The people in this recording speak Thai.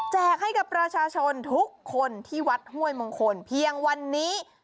ให้กับประชาชนทุกคนที่วัดห้วยมงคลเพียงวันนี้